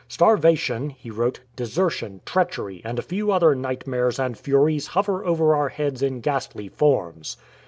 " Starvation," he wrote, "desertion, treachery, and a few other night mares and furies hover over our heads in ghastly forms.